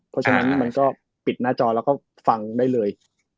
เพราะฉะนั้นมันก็ปิดหน้าจอแล้วก็ฟังได้เลย